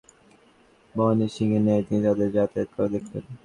বনের সিংহের ন্যায় তিনি তাদের যাতায়াত করা দেখলেন।